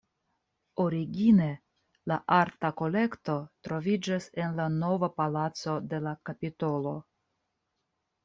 Origine la arta kolekto troviĝis en la "Nova Palaco" de la Kapitolo.